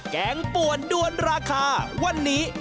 แกงป่วนด้วนราคาวันนี้